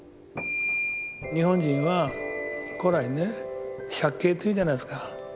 日本人は古来ね借景というじゃないですか。